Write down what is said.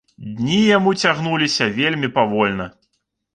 Дні яму цягнуліся вельмі павольна.